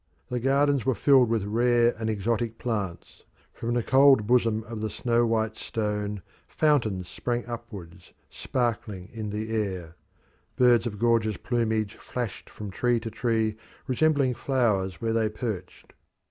The gardens were filled with rare and exotic plants; from the cold bosom of the snow white stone fountains sprang upwards, sparkling in the air; birds of gorgeous plumage flashed from tree to tree, resembling flowers where they perched.